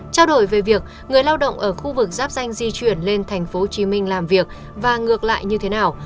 trao đổi về việc người lao động ở khu vực giáp danh di chuyển lên tp hcm làm việc và ngược lại như thế nào